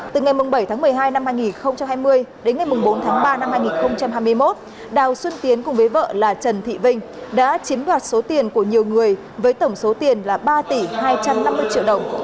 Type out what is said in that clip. từ ngày bảy tháng một mươi hai năm hai nghìn hai mươi đến ngày bốn tháng ba năm hai nghìn hai mươi một đào xuân tiến cùng với vợ là trần thị vinh đã chiếm đoạt số tiền của nhiều người với tổng số tiền là ba tỷ hai trăm năm mươi triệu đồng